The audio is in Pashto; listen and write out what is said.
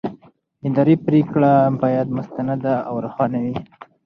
اداري پرېکړه باید مستنده او روښانه وي.